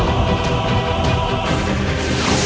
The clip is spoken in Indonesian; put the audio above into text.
aku harus menghabisimu